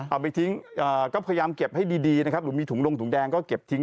เอาไปทิ้งก็พยายามเก็บให้ดีนะครับหรือมีถุงดงถุงแดงก็เก็บทิ้ง